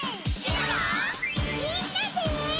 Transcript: みんなで！